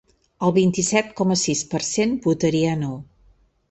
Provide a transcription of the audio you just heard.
El vint-i-set coma sis per cent votaria no.